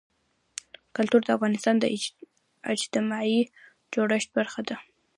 کلتور د افغانستان د اجتماعي جوړښت برخه ده.